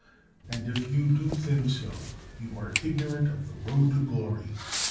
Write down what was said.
And if you do think so, you are ignorant of the road to glory.